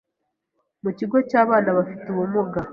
mu kigo cy’abana bafite ubumuga